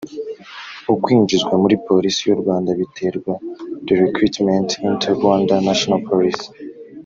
Ukwinjizwa muri Polisi y u Rwanda biterwa The recruitment into Rwanda National Police